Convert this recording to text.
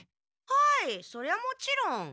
はいそりゃもちろん。